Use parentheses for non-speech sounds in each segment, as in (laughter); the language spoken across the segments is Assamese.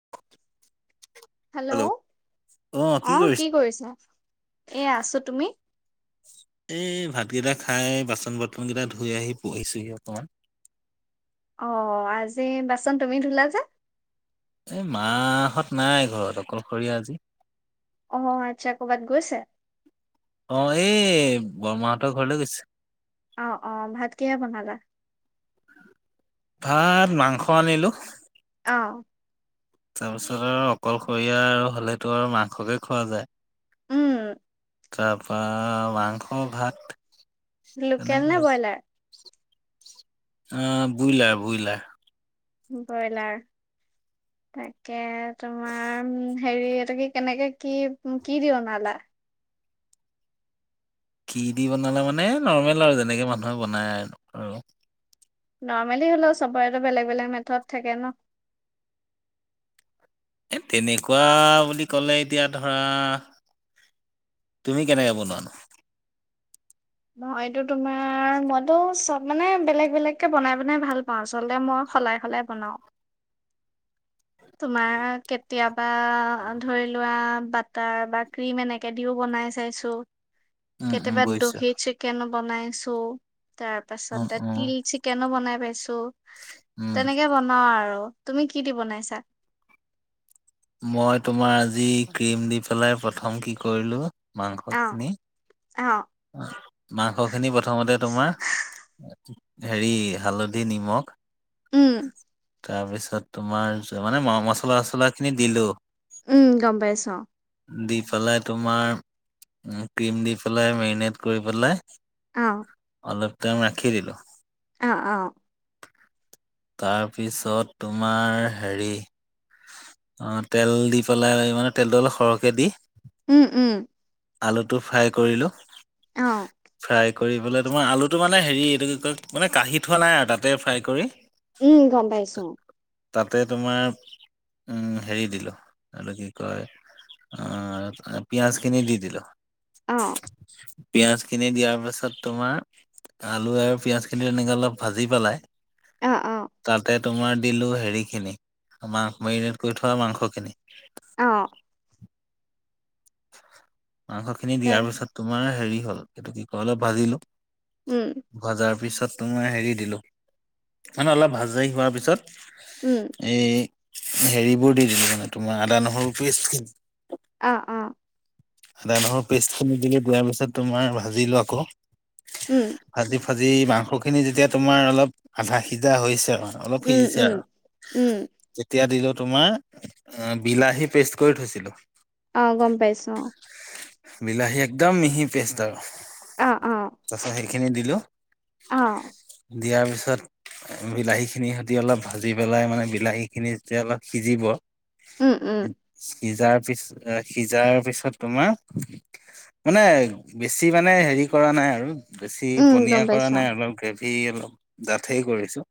(inaudible) হেল্ল' অ কি কৰিছা? এ আছো। তুমি? এ ভাত কেইটা খাই বাচন-বৰ্তন কেইটা ধুই আহি বহিছোহি অকণমান। অ আজি বাচন তুমি ধোলা যে? এই মাহঁত নাই ঘৰত অকলশৰীয়া আজি। অহ আচ্ছা কৰ'বাত গৈছে? অ' এই বৰমাহঁতৰ ঘৰলৈ গৈছে। অ অ ভাত কিহে বনালা? ভাত মাংস আনিলোঁ। অ তাৰপিছত অকলশৰীয়া আৰু হ'লেতো আৰু মাংসকে খোৱা যায়। উম তাপা মাংস ভাত। লোকেল নে ব্ৰইলাৰ? আহ বুইলাৰ বুইলাৰ। ব্ৰইলাৰ। তাকে তোমাৰ হেৰি এটো কি কেনেকে কি কি দি বনালা? কি দি বনালে মানে নৰ্মেল আৰু যেনেকে মানুহে বনায় আৰু আৰু। নৰ্মেলি হলেও চবৰেটো বেলেগ বেলেগ মেথত থাকে ন এ তেনেকুৱা বুলি কলে এতিয়া ধৰা তুমি কেনেকে বনোৱানো মই এইটো তোমাৰ মইতো চব মানে বেলেগ বেলেগকে বনাই বনাই ভাল পাওঁ আচলতে মই সলাই সলাই বনাও তোমাৰ কেতিয়াবা ধৰি লোৱা বাটাৰ বা ক্ৰীম এনেকে দিও বন নাই চাইছো উম, উম কেতিয়াবা বুজিছো। দহি চিকেন বনাইছো তাৰ উম, পাছত উম, তিল চিকেনো বনাই পাইছো উম। তেনেকে বনাও আৰু তুমি কি দি বনাইছা? মই তোমাৰ আজি ক্ৰীম দি পেলাই প্ৰথম কি কৰিলোঁ। অ', মাংসখিনি অ', মাংসখিনি প্ৰথমতে তোমাৰ হেৰি হালধি, নিমখ উম। তাৰপিছত তোমাৰ মানে মচলা চছলাখিনি দিলোঁ। উম, গম পাইছোঁ। দি পেলাই তোমাৰ ক্ৰীম দি পেলাই মেৰিনেট কৰি পেলাই অ'। অলপ টাইম ৰাখি দিলোঁ। অ', অ'। তাৰপিছত তোমাৰ হেৰি অ', তেল দি পেলাই মানে তেলটো অলপ সৰহকে দি উম, উম, আলুটো ফ্ৰাই কৰিলোঁ, অ', ফ্ৰাই কৰি পেলাই তোমাৰ আলুটো মানে হেৰি এইটো কি কয় মানে কাঢ়ি থোৱা নাই আৰু তাতে ফ্ৰাই কৰি উম, গম পাইছোঁ। তাতে তোমাৰ উম, হেৰি দিলোঁ আৰু কি কয় অহ, পিয়াজখিনি দি দিলোঁ। অ', পিয়াঁজখিনি দিয়াৰ পিছত তোমাৰ আলু আৰু পিয়াঁজখিনি তেনেকে অলপ ভাজি পেলাই অ', অ', তাতে তোমাৰ দিলো হেৰি খিনি আমাক মেৰিনেট কৰি থোৱা মাংসখিনি। অ। মাংসখিনি তাৰ দিয়াৰ পিছত তোমাৰ হেৰি হল, এইটো কি কয় অলপ ভাজিলো, উম, ভাজাৰ পিছত তোমাৰ হেৰি দিলো, মানে অলপ ভাজাই হোৱাৰ উম, পিছত এই হেৰিবোৰ দি দিলো মানে তোমাৰ আদা, নহৰু পেষ্টখিন অ, অ। আদা, নহৰু পেষ্টখিনি দিলে দিয়াৰ পিছত তোমাৰ ভাজিলো আকৌ, উম, ভাজি-ভা জি মাংসখিনি যেতিয়া তোমাৰ অলপ আধা সিজা হৈছে অলপ উম, সিজিছে উম, আৰু, উম, তেতিয়া দিলো তোমাৰ বিলাহী পেষ্ট কৰি থৈছিলো। অ, গম পাইছো অ। বিলাহী একদম মিহি পেষ্ট আৰু। অ', অ', তাৰপিছত সেইখিনি দিলো, অ'। দিয়াৰ পিছত বিলাহীখিনি সহতি অলপ ভাজি পেলাই মানে বিলাহীখিনি যেতিয়া অলপ সিজিব উম, উম। সিজাৰ পিছ, অ সিজাৰ পিছ তোমাৰ মানে বেছি মানে হেৰি কৰা নাই আৰু। বেছি উম, গম পনীয়া পাইছ কৰা নাই, অলপ গ্ৰেভি, অলপ ডাঠেই কৰিছো।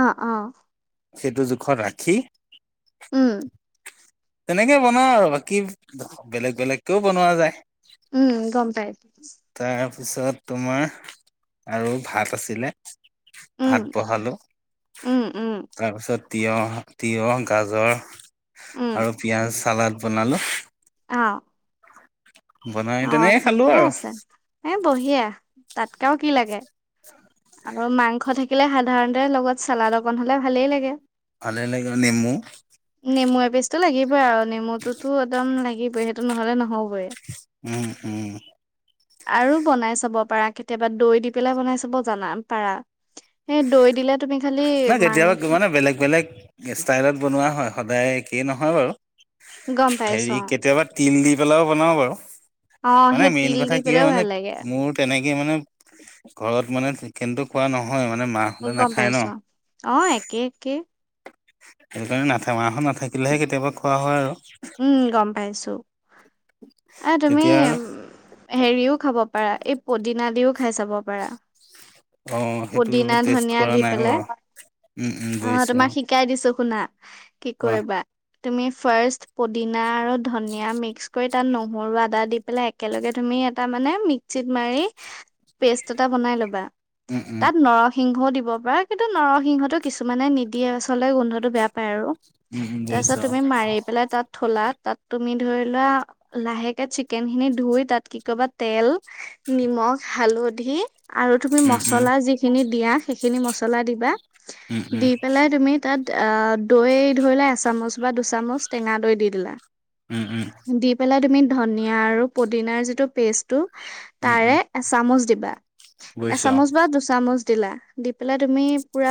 অ, অ। সেইটো জোখত ৰাখি উম। তেনেকে বনাও আৰু বাকী বেলেগ-বেলেগকেও বনোৱা যায়। উম, গম পাই তাৰপিছত তোমাৰ আৰু ভাত আছিলে। উম, ভাত বহালো, উম, উম, তাৰপিছত তিঁয়হ, তিঁয়হ, গাজৰ উম, আৰু পিঁয়াজ চালাড বনালোঁ। অ। বনাই অ তেনেকে খালো ঠিকে আৰু আছে, এ বঢ়িয়া তাতকে আৰু কি লাগে। আৰু মাংস থাকিলে সাধাৰণতে লগত চালাড অকণ হ'লে ভালেই লাগে। (unintelligible) নেমু। নেমু এপিচটো লাগিবই আৰু নেমুটোতো একদম লাগিবই, সেইটো নহ'লে নহ'ব। উম, উম। আৰু বনাই চাব পাৰা কেতিয়াবা দৈ দি পেলাই বনাই চাব যানা পাৰা, সেই দৈ দিলে তুমি খালি নহ মাং কেতিয়াবা মানে বেলেগ বেলেগ ষ্টাইলত বনোৱা হয়, সদায় একে নহয় বাৰু, গম পাইছ হেৰি কেতিয়াবা তিল দি পোলাও বনাওঁ বাৰু, অ', মানে সেই মেইন তিল কথা দি কি হয় পেলাইও মানে ভাল লাগে মোৰ তেনে মানে ঘৰত মানে চিকেনটো খোৱা নহয় মানে মাহঁতে গম নাখায় ন। পাইছোঁ অ একে-একে। সেইকাৰণে নাথে, মাহঁত নাথাকিলেহে কেতিয়াবা খোৱা হয় আৰু। উম গম পাইছো, এ তুমি তেতিয়া আৰু হেৰিও খাব খাব পাৰা, এই পদিনা দিও খাই চাব পাৰা। অ', সেইটো পুদিনা, টেষ্ট ধনিয়া কৰা দি নাই পেলাই, বাৰু। উম, উম, আহ বুজিছো তোমাক অ', শিকাই দিছোঁ শুনা। কি কোৱা। কৰিবা তুমি ফাৰ্ষ্ট পুদিনা আৰু ধনিয়া মিক্স কৰি তাত নহৰু, আদা দি পেলাই একেলগে তুমি এটা মানে ক্সিত মাৰি পেষ্ট এটা বনাই লবা, উম, উম, তাত নৰসিংহ দিব পাৰা কিন্তু নৰসিংহতো কিছুমানে নিদিয়ে আচলতে গোন্ধটো বেয়া পায় আৰু। উম, উম, তাৰপিছত বুজিছো অ', তুমি মাৰি পেলাই তাত থলা তাত তুমি ধৰি লোৱা লাহেকে চিকেন খিনি ধুই তাত কি কৰিবা তেল, নিমখ হালধি, আৰু তুমি উম, উম, মছলা যিখিনি দিয়া সেইখিনি মছলা দিবা। উম, উম, দি পেলাই তুমি তাত অ', দৈ ধৰিলে এচামুচ বা দুচামুচ টেঙা দৈ দি দিলা। উম, উম, দি পেলাই তুমি ধনিয়া আৰু পদিনাৰ যিটো পেষ্টটো উম, তাৰে উম, এচামুচ দিবা। বুজিছো অ', এচামুচ বা দুচামুচ দিলা, দি পেলাই তুমি পুৰা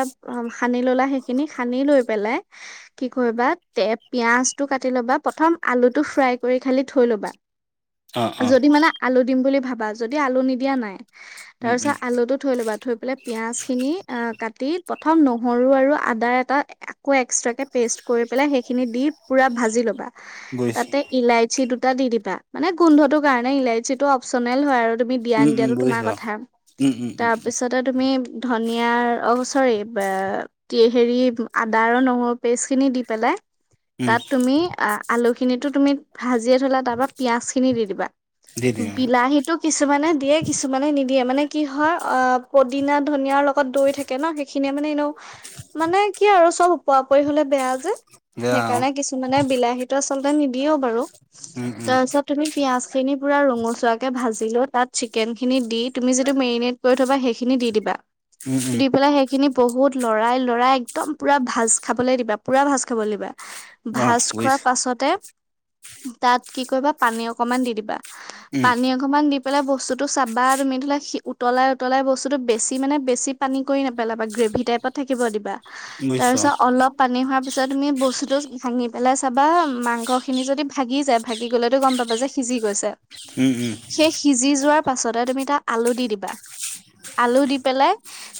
সানি ললা সেইখিনি সানি লৈ পেলাই, কি কৰিব বা তে পিয়াজটো কাট লবা প্ৰথম আলুটো ফ্ৰাই কৰি খালী থৈ লবা। অ', অ', যদি মানে আলু দিম বুলি ভাব বা যদি আলু নিদিয়া নাই। উম, তাৰপছত উম, আলুটো থৈ ল'বা, থৈ পেলাই পিয়াজ খিনি কাটি প্ৰথম নহৰু আৰু আদাৰ এটা কৌ এক্সট্ৰাকে পেষ্ট কৰি পেলাই সেইখিনি দি পুৰা ভাজি লবা। বুজিছো। তাতে ইলাইচি দুটা দি দিবা মানে গোন্ধটোৰ কাৰণে ইলাইচি টো অপচনেল হয় আৰু তুমি দিয়া উম, উম, নিদিয়াটো তোমাৰ বুজিছো অ', কথা। উম, উম, উম, তাৰপিছতে তুমি ধনিয়াৰ অ', চৰি বা এ, হেৰি আদা আৰু নহৰু পেষ্টখিনি দি পেলাই উ। মি আলু খিনিটো তুমি ভাজিয়ে থলা তাৰপা পিয়াজ খিনি দি দিবা। দি দিম বিলাহীটো কিছুমানে দিয়ে, কিছুমানে নিদিয়ে মানে কি হয় অ', পদ দিনা, ধনিয়াৰ লগত দৈ থাকে ন, সেইখিনিয়ে মানে এনেও মানে কি আৰু চব উপ ওপৰা-ওপৰি হলে বেয়া যে। গে আও। মানে বিলাহীটো আচলতে নিদিয়েও বাৰু। উম, উম, তাৰছত তুমি পিয়াজখিনি পুৰা ৰঙ ৰঙচোৱাকে ভাজিলৈ তাত চিকেন খিনি দি তুমি যিটো মেৰিনেট কৰি থবা সেইখিনি দি দিবা উম, উম, দি পেলাই সেই খিনি বহুত লৰাই লৰাই একদম পুৰা ভাজ খাবলৈ দিবা পুৰা ভাজ খাবলৈ দিবা। অ', ভাজ খোৱা বুজিছো। পাছতে তাত কি কৰিবা পানী অকমান দি দিবা। উম, পানী অকমান দি পেলাই বস্তুটো চাবা তুমি (unintelligible) উতলাই উতলাই বস্তুটো বেছি মানে বেছি পানী কৰি নেপেলাবা, গ্ৰে ভি টাইপত থাকিব দিবা। বুজিছো তাৰছত অ', অলপ পানী হোৱা পিছত তুমি বস্তুটো ভাঙি পেলাই চাবা মাংসখিনি যদি ভাগি যায় ভাগি গ'লেতো গম পাবা যে সিজি গৈছে। উম, উম, সেই সিজি যোৱাৰ পাছতে তুমি এটা আলু দি দিবা আলু দি পেলাই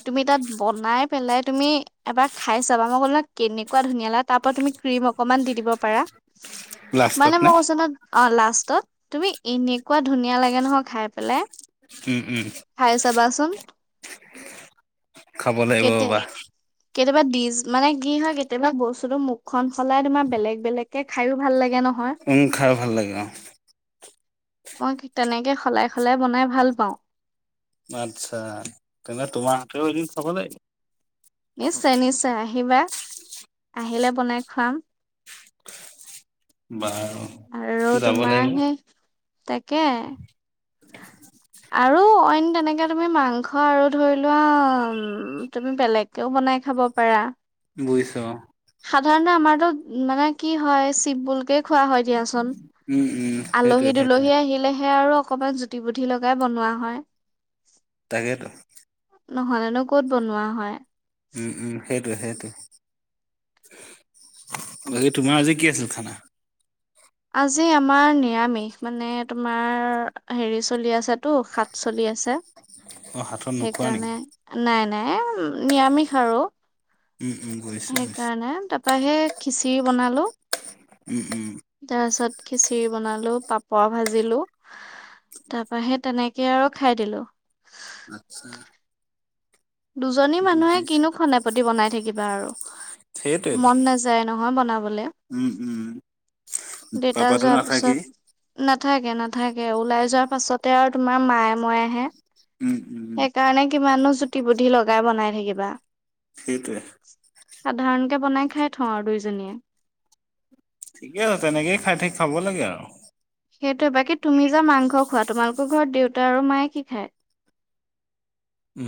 তুমি তাত বনাই পেলাই তুমি এবাৰ খাই চাবা মই ক'লো নয় কেত কেনেকুৱা ধুনীয়া লা তাৰ পৰা তুমি ক্ৰীম অকমান দি দিব পাৰা। লাষ্টত মানে নে? ম কৈছো নহয় অ', লাষ্টত তুমি এনেকুৱা ধুনীয়া লাগে নহয় খাই পেলাই। উ', উ। কাম খাব লাগিব ৰবা কেতিয়াবা ডিজ মানে কি হয় কেতিয়াবা বস্তুতো মুখখন সলাই তোমাৰ বেলেগ বেলেগ কে খাইও ভাল লাগে ন? উ, খাই ভাল লাগে অ'। মই কি তেনেকে সলাই সলাই বনাই ভাল পাওঁ। আচ্ছা, তেনে তোমাৰ হাতেও এদিন খাব লা নিশ্চয় নিশ্চয় আহিবা, আহিলে বনাই খুৱাম। বাৰু। আৰু যাব তোমাৰ লাগিব সেই তাকে। আৰু অইন তেনেকে তুমি মাংস আৰু ধৰি লোৱা তুমি বেলেগকেও বনাই খা খাব পাৰা। বুইছো অ'। সাধাৰণতে আমাৰতো উ, মানে কি হয় চিমপুলকে খোৱা হয় দিয়াচোন। উম, উম, সেইটোৱে আলহী সেইটোৱে দুলহী আহিলেহ সে আৰু অকমান জুতি বুধি লগাই বনোৱা হয়। তাকেটো নহলেনো ক'ত বনোৱা হয়। উম, উম, সেই সেইটো বাকী তোমাৰ আজি কি আছিল খানা। আজি আমাৰ নিৰামিষ মানে তোমাৰ হেৰি চলি আছেতো সাত চলি- আছে। অ', হাতত নোখোৱা নেকি? সেইকাৰণে নাই নাই নিৰামিষ আৰু উম, উ গৈছো, গৈছো। তাৰপহে খিচিৰি বনালো উম, উম, তাপিছত খিচিৰি। বনালো, পাপৰ ভাজিলো তাৰ পৰা সে তেনেকে আৰু খাই দিলো। আচ্ছা। দুজনী মানুহে কিনো খনেপতি বনাই থাকিবা আৰু সেইটোৱেতো মন নাযায় নহয় বনাবলে। উম, উম, দেউতা পাপাতো যোৱাৰ পিছত নাথাকেই (unintelligible) নাথাকে নাথাকে ওলাই যোৱাৰ পাছতে আৰু তোমাৰ মায়ে ময়ে আহে। উম, উম, উম। কিমানো জুটি বুদ্ধি লগাই বনাই থাকিবা। সেইটোৱে। সাধাৰণকে বনাই খাই থওঁ আৰু দুইজনীয়ে। ঠিকে আছে তেনেকে খাই থাক খাব লাগে আৰু। সেইটোয়ে বাকী তুমি যে মাংস খোৱাত। তোমালোকৰ ঘৰত দেউতা আৰু মায়ে কি খায়।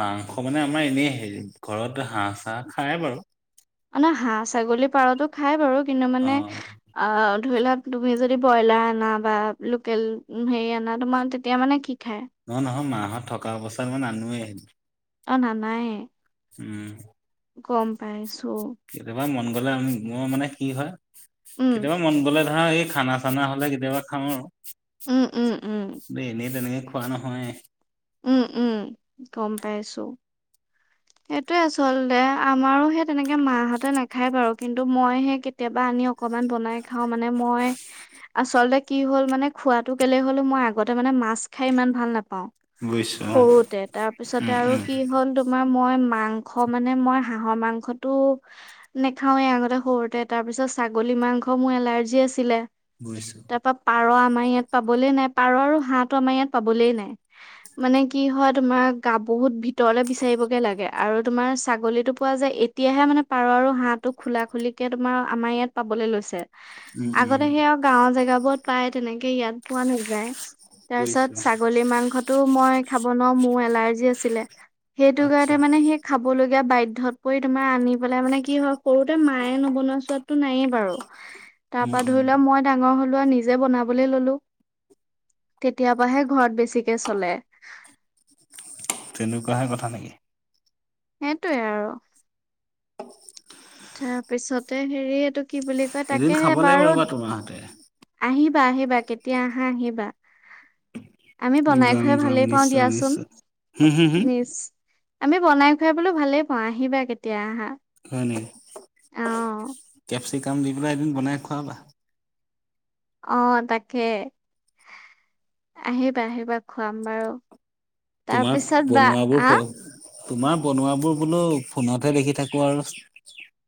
মাংস মানে আমাৰ এনে হেৰি ঘৰত হাঁহ-চা খায় বাৰু। অ ন হাঁহ, ছাগলী, পাৰতো খাই বাৰু কিন্তু মানে অ'। আহ ধৰি লোৱা তুমি যদি ব্ৰইলাৰ আনা বা লোকেল হেৰি আনা তোমাৰ তেতিয়া মানে কি খায়? নহ নহয় মাহঁত থকা অৱস্থাত মই নানোৱেই। অ' নানাই। উম। গম পাইছোঁ। কেতিয়াবা মন গ'লে আমি মোৰ মানে কি হয়? উম, কেতিয়াবা মন গ'লে ধৰ এই খানা-চানা হ'লে কেতিয়াবা খাওঁ আৰু। উম, উম, উম, ব এনে তেনেকে খোৱা নহয়। উম, উম, গ'ম পাইছোঁ। এইটোৱে আচলতে আমাৰো সেই তেনেকে মাহঁতে নাখায় বাৰু কিন্তু মই হে কেতিয়াবা আনি অক বনাই খাওঁ। মানে মই আচলতে কি হ'ল মানে খোৱাটো কেলে হ'লো মই আগতে ম মাছ খাই ইমান ভাল নাপাওঁ। বুজিছো অ সৰুতে তাৰপিছত উম আৰু উম কি হ'ল তোমাৰ মই মাংস মানে মই হাঁহৰ মাংসতটো নেখাওৱে আগতে সৰুতে তাৰ পিছত চ ছাগলী মাংস মোৰ এলাৰ্জি আছিলে। বুজিছো তাৰপা পাৰ আম ৰ ইয়াত পাবলে নাই, পাৰ আৰু হাঁহ আমাৰ ইয়াত পাবলে নাই মানে কি হয়। তোমাৰ গা বহুত বহুত ভিতৰলে বি বিচাৰিবগে লাগে আৰু তোমাৰ ছাগলীটো পোৱা যায় এতিয়াহে মানে পাৰ আৰু হাঁহটো খোলা খুলিকে তোমাৰ আমাৰ ইয়াত পাবলৈ লৈছে। উম উম আগতে সেই আৰু গাঁওৰ জেগাবোৰত পাই তেনেকে ইয়াত পোৱা নাযায়। তাৰপিছত বুজিছো ছাগলী মাংসটো মই খাব নোৱাৰোঁ মোৰ এলাৰ্জি আছিলে। সেইটো কাৰণতে আচ্ছা মানে সেই খাব লগীয়া বাধ্যত পৰি তোমাৰ আনি পেলাই মানে কি হ'ল সৰুতে মায়ে নবনোৱা চোৱাতো নায়ে বাৰু উম তাৰ পৰা ধৰি উম লোৱা মই ডাঙৰ হৈ ৱা নিজে বনাবলৈ ললোঁ। তেতিয়া পৰাহে ঘৰত বেছিকে চলে। তেনেকুৱাহে কথা নেকি? সেইটোৱে আৰু তাৰপিছতে হেৰি এইটো কি বুলি কয় এদিন তাকেহে খাব লাগিব বাৰু ৰ'বা তোমাৰ হাতে আহি আহিবা আহিবা কেতিয়া আহা আহিবা। আমি যাম বনাই-খুৱাই যাম ভালেই পাওঁ নিশ্চয় দিয়াচোন নিশ্চয় হুম হুম হুম নিজ আমি বনাই-খুৱাই বোলো ভালেই পাওঁ আহিবা কেতিয়া আহা? (inaudible) অহ। (unintelligible) দি পেলাই এদিন বনাই খুৱাবা। অ', তাকে আহিবা আহিবা খুৱাম বাৰু। তোমাক তাৰপিছত বা বনোৱাবোৰ আহ তোমাৰ বনোৱাবোৰ বোলো ফোনতহে দেখি থাকোঁ আৰু।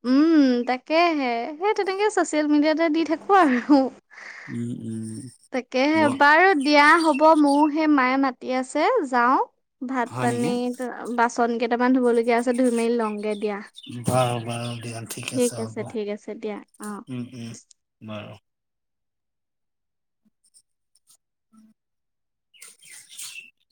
উম তাকেহে সেই তেনেকে ছ'চিয়েল মিডিয়াতে দি থাকোঁ আৰু। উম। উম ব তাকেহে বাৰু দিয়া হ'ব মোৰো সেই মায়ে মাতি আছে যাওঁ। হয় নেকি ভাত-পানী বাচন কেইটামান ধুব লগীয়া আছে ধুই মেলি লওঁগে। দিয়া বাৰু বাৰু দিয়া ঠিক আছে, হ'ব ঠিক আছে দিয়া অ উম উম। (inaudible) (inaudible)